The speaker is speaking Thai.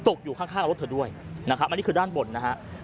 ตกอยู่ข้างกับรถเธอด้วยอันนี้คือด้านบนนะครับ